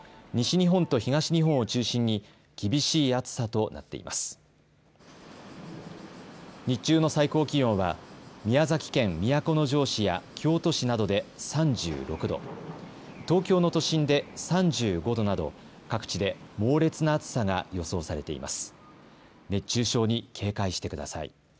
日中の最高気温は宮崎県都城市や京都市などで３６度、東京の都心で３５度など各地で猛烈な暑さが予想されています。